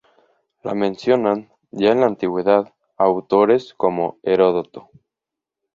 La mencionan, ya en la Antigüedad, autores como Heródoto.